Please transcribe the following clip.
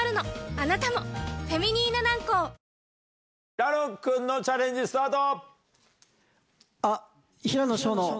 平野君のチャレンジスタート！